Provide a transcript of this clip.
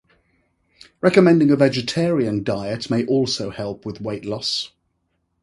Recommending a vegetarian diet may also help with weight loss.